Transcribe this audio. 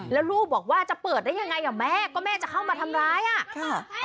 แล้วลูกบอกว่าจะเปิดได้ยังไงอ่ะแม่ก็แม่จะเข้ามาทำร้ายอ่ะค่ะ